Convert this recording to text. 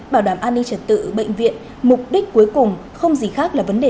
bảo đảm an ninh trật tự bệnh viện mục đích cuối cùng không gì khác là vấn đề